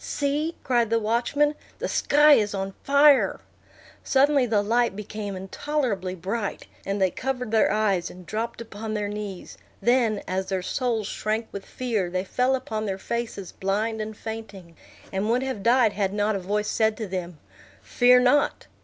"See!" cried the watchman, "the sky is on fire!" Suddenly the light became intolerably bright, and they covered their eyes, and dropped upon their knees; then, as their souls shrank with fear, they fell upon their faces blind and fainting, and would have died had not a voice said to them, "Fear not!"